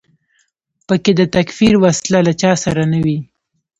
په کې د تکفیر وسله له چا سره نه وي.